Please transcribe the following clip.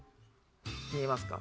見えますか？